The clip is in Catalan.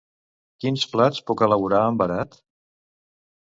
Quins plats puc elaborar amb verat?